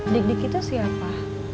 dik dik itu siapa